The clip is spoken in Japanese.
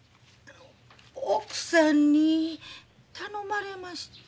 奥さんに頼まれましてん。